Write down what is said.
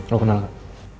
lo kenal gak